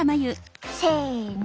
せの！